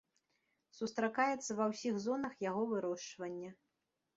Сустракаецца ва ўсіх зонах яго вырошчвання.